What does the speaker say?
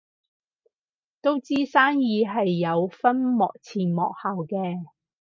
都知生意係有分幕前幕後嘅